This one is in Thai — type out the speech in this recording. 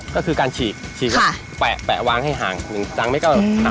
ก็คือการฉีก